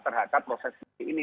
terhadap proses ini